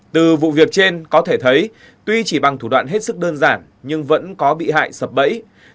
từ vụ việc trên có thể thấy tuy chỉ bằng thủ đoạn hết sức đơn giản nhưng vẫn có bị hại sập bẫy